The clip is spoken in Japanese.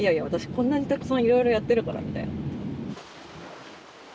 こんなにたくさんいろいろやってるからみたいな。